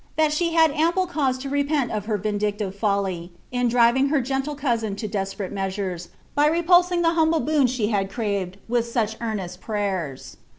157 that she had ample cause to repent of her vindictive folly, in driving her gentle cousin to desperate measures, by repulsing the humble boon she had craved with such earnest prayers.